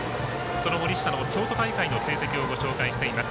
その森下の京都大会の成績をご紹介しています。